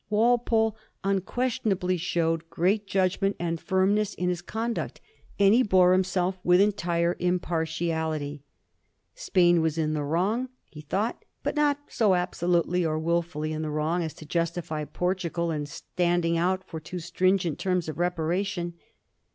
Walpole unquestionably showed great judgment and firmness in his conduct, and he bore himself with entire impartiality. Spain was in the wrong, he thought, but not so absolutely or wilfully in the wrong as to justify Portugal in standing out for too stringent terms of reparation.